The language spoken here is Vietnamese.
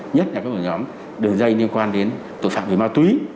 nhất là các ổ nhóm đường dây liên quan đến tội phạm về ma túy